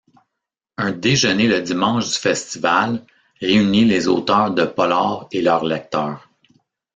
Un déjeuner le dimanche du festival réunit les auteurs de polar et leurs lecteurs.